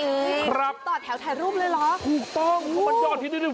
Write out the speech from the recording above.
อีกครับต่อแถวถ่ายรูปเลยเหรอถูกต้องมันยอดทิ้งได้